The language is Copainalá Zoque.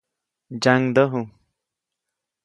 Ntsyaŋdäju.